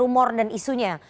rumor dan isunya